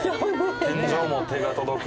天井も手が届く。